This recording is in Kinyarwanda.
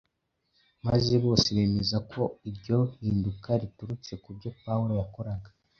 maze bose bemeza ko iryo hinduka riturutse ku byo Pawulo yakoraga.